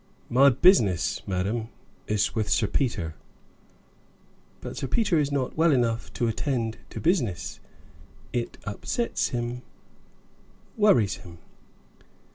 "My business, madam, is with Sir Peter." "But Sir Peter is not well enough to attend to business; it upsets him worries him."